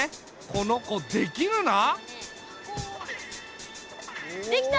この子できるな！出来た！